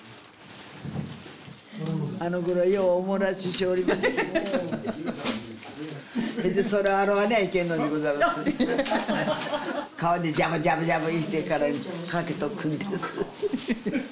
あの頃はようおもらししよりましてねでそれを洗わにゃいけんのでございます川でジャブジャブジャブしてからに掛けとくんです